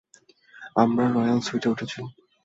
আমরা রয়াল সুইটে উঠেছি।